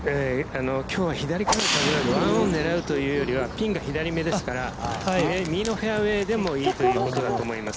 今日は１オン狙うというよりはピンが左目ですから、右のフェアウエーでもいいということだと思います。